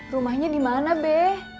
rumahnya dimana be